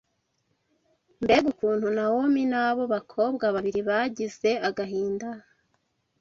Mbega ukuntu Nawomi n’abo bakobwa babiri bagize agahinda!